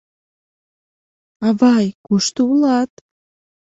— Авай, кушто улат?